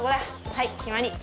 はいきまり。